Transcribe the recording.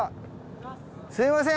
すみません